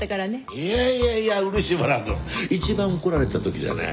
いやいやいや漆原くん一番怒られてた時じゃない？